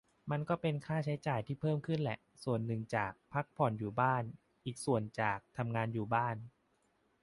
มันก็เป็นค่าใช้จ่ายที่เพิ่มขึ้นแหละ ส่วนหนึ่งจาก "พักผ่อนอยู่บ้าน" อีกส่วนจาก "ทำงานอยู่บ้าน"